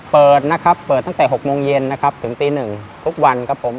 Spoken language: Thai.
เปิดนะครับเปิดตั้งแต่๖โมงเย็นนะครับถึงตี๑ทุกวันครับผม